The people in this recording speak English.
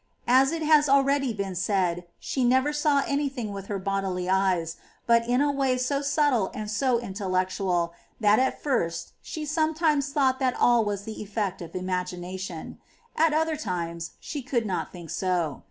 ^ As it has been said already,^ she never saw any thing with her bodily eyes, but in a way so subtile and so intellectual that at first she sometimes thought that all was the effect of imagination; at other times she could not think so.